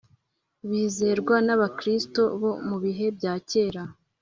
bizerwa n’abakristo bo mu bihe bya kera.